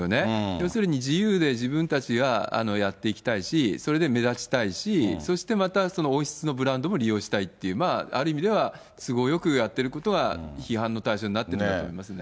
要するに自由で自分たちはやっていきたいし、それで目立ちたいし、そしてまた王室のブランドも利用したいっていう、ある意味では都合よくやってることは、批判の対象になってるんだと思いますね。